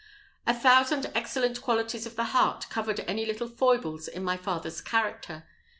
A thousand excellent qualities of the heart covered any little foibles in my father's character.